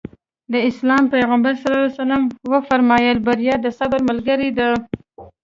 د اسلام پيغمبر ص وفرمايل بريا د صبر ملګرې ده.